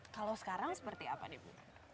kalau sekarang seperti apa nih bu